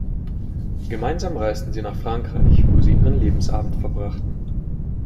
Gemeinsam reisten sie nach Frankreich, wo sie ihren Lebensabend verbrachten.